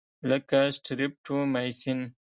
لکه سټریپټومایسین.